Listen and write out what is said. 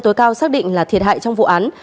tối cao xác định là thiệt hại trong vụ án